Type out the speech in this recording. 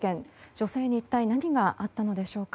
女性に一体何があったのでしょうか。